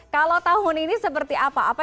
kalau tahun ini seperti apa